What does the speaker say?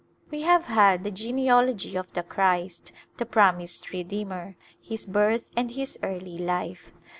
We have had the genealogy of the Christ — the promised Redeemer — His birth and His early life.